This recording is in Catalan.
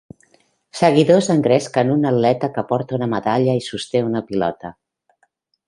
Seguidors engresquen un atleta que porta una medalla i sosté una pilota.